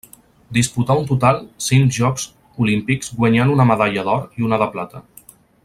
Disputà en total cinc Jocs Olímpics guanyant una medalla d'or i una de plata.